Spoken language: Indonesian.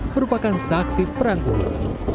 merupakan saksi perang bulan